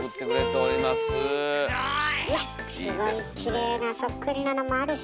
うわっすごいきれいなそっくりなのもあるし。